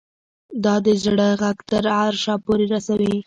دا د زړه غږ تر عرشه پورې رسوي